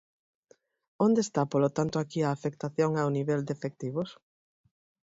¿Onde está, polo tanto, aquí a afectación ao nivel de efectivos?